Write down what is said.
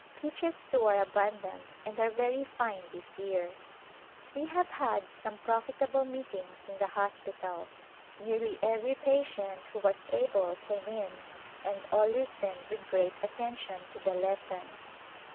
Peaches, too, are abundant and are very fine this year. We have had some profitable meetings in the hospital; nearly every patient vi'ho was able came in and all listened with great attention to the lessons.